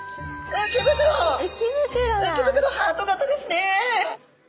浮き袋ハート形ですね。